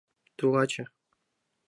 Тулаче...